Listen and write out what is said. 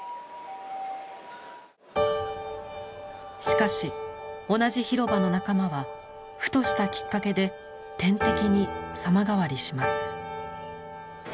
しかし同じ広場の仲間はふとしたきっかけで天敵に様変わりします。